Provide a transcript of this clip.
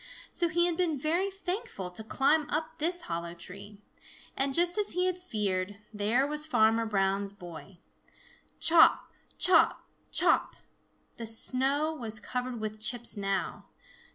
So he had been very thankful to climb up this hollow tree. And, just as he had feared, there was Farmer Brown's boy. Chop, chop, chop! The snow was covered with chips now.